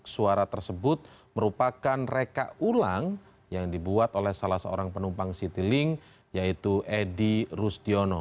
suara tersebut merupakan reka ulang yang dibuat oleh salah seorang penumpang citylink yaitu edy rustiono